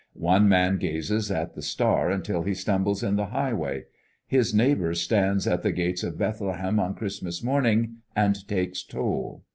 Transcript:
One man gazes at the Star until he stumbles in the highway: his neighbor stands at the gates of Bethlehem on Christmas morning and takes toll.